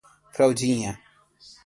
Fraldinha